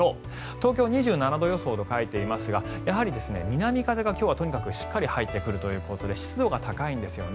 東京は２７度予想と書いていますがやはり南風が今日はとにかくしっかり入ってくるということで湿度が高いんですよね。